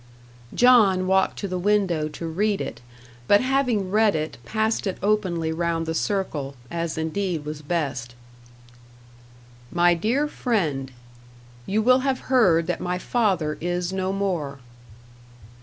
John walked to the window to read it; but having read it, passed it openly round the circle; as indeed was best. "MY DEAR FRIEND, "You will have heard that my father is no more."